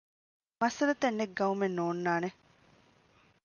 މައްސަލަތައް ނެތް ގައުމެއް ނޯންނާނެ